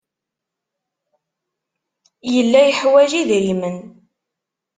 Yella yeḥwaj idrimen.